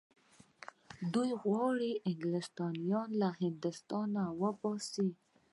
دوی غواړي انګلیسیان له هندوستانه وباسي.